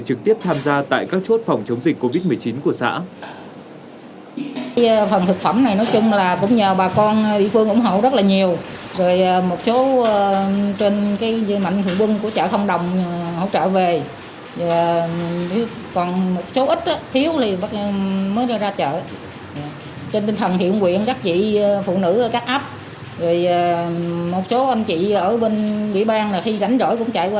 trực tiếp tham gia tại các chốt phòng chống dịch covid một mươi chín của xã